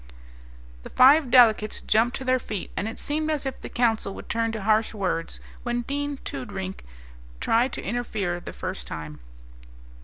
The five delegates jumped to their feet, and it seemed as if the Council would turn to harsh words, when Dean Toodrink tried to interfere the first time.